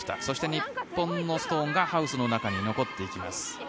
そして、日本のストーンがハウスの中に残っていきます。